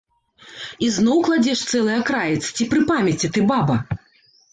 Ізноў кладзеш цэлы акраец, ці пры памяці ты, баба?